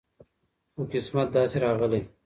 خو قسمت داسي راغلی